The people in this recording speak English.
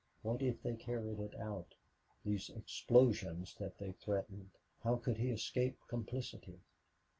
What if they carried it out these explosions that they threatened how could he escape complicity?